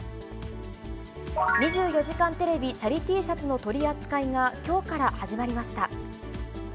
２４時間テレビチャリＴシャツの取り扱いが、きょうから始まりました。